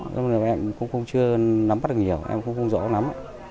bọn em cũng chưa nắm bắt được nhiều em cũng không rõ lắm